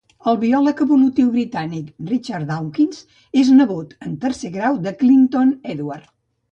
El biòleg evolutiu britànic Richard Dawkins és nebot en tercer grau de Clinton Edward.